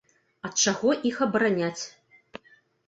Ад чаго іх абараняць?